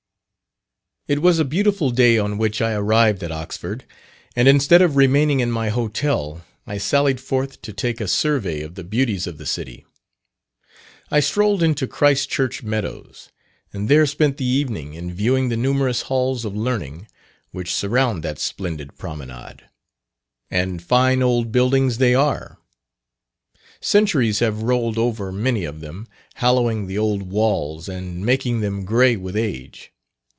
It was a beautiful day on which I arrived at Oxford, and instead of remaining in my hotel, I sallied forth to take a survey of the beauties of the city. I strolled into Christ Church Meadows, and there spent the evening in viewing the numerous halls of learning which surround that splendid promenade. And fine old buildings they are: centuries have rolled over many of them, hallowing the old walls, and making them grey with age.